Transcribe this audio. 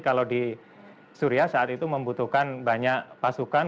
dengan beberapa argumentasi kalau di suria saat itu membutuhkan banyak pasukan